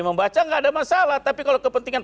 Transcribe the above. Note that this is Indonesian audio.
membaca nggak ada masalah tapi kalau kepentingan